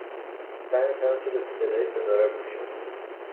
سعی می کردم که به صدای ستاره ها گوش بدم